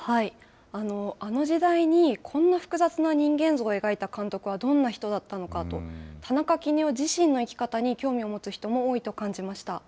あの時代にこんな複雑な人間像を描いた監督はどんな人だったのかと、田中絹代自身の生き方に興味を持つ人も多いと感じました。